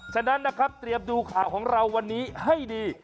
ฉะนั้นนะครับเตรียมดูข่าวของเราวันนี้ให้ดี